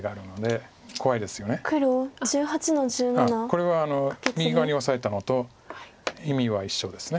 これは右側にオサえたのと意味は一緒です。